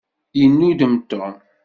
Yennudem Tom.